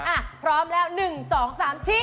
อ่ะพร้อมแล้วหนึ่งสองสามชี้